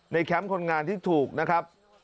แคมป์คนงานที่ถูกนะครับ